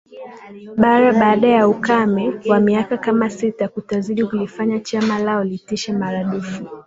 Bara baada ya ukame wa miaka kama sita kutazidi kulifanya chama lao litishe maradufu